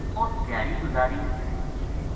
اُت دھیاڑی گزاری